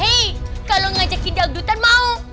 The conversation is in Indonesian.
hei kalau ngajakin di agdutan mau